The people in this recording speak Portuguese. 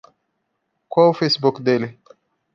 Qual o Facebook dele?